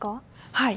はい。